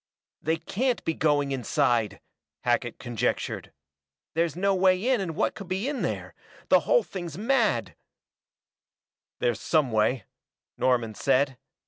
"They can't be going inside!" Hackett conjectured. "There's no way in and what could be in there? The whole thing's mad " "There's some way," Norman said.